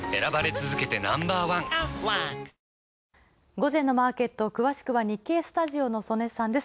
午前のマーケット、詳しくは日経スタジオの曽根さんです。